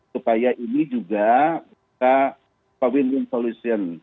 supaya ini juga bisa